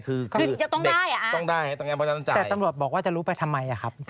คือเด็กต้องได้อ่ะแต่ตำรวจบอกว่าจะรู้ไปทำไมอ่ะครับคือเด็กต้องได้ตำรวจบอกว่าจะรู้ไปทำไมอ่ะ